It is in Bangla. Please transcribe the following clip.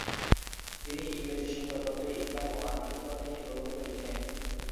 তিনি ইংরেজি সংবাদপত্রে ইসলাম এবং আধ্যাত্মিকতা নিয়ে প্রবন্ধ লিখেন।